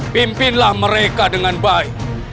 pimpinlah mereka dengan baik